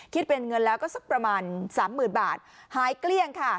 คิดเป็นเงินแล้วก็สักประมาณสามหมื่นบาทหายเกลี้ยงค่ะ